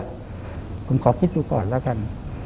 อีกว่าคุณก็ขอคิดดูก่อนแล้วกัน